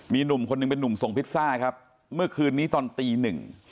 มีหนุ่มคนหนึ่งเป็นนุ่มส่งพิซซ่าครับเมื่อคืนนี้ตอนตีหนึ่ง